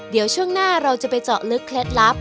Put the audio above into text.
เดี๋ยวช่วงหน้าเราจะไปเจาะลึกเคล็ดลับ